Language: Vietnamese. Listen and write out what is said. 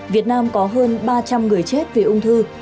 việt nam có hơn ba trăm linh người chết vì ung thư